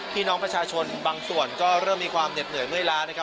พี่น้องประชาชนบางส่วนก็เริ่มมีความเหน็ดเหนื่อยเมื่อยล้านะครับ